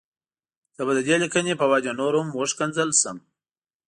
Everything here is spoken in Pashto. زه به د دې ليکنې په وجه نور هم وشکنځل شم.